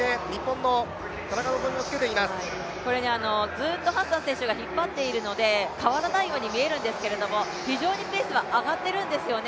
ずっとハッサン選手が引っ張っているので変わらないように見えるんですけど非常にペースは上がってるんですよね。